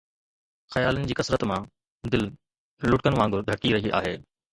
خيالن جي ڪثرت مان دل لڙڪن وانگر ڌڙڪي رهي آهي